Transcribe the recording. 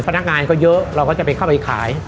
พนักงานก็เยอะเราก็จะไปเข้าไปขาย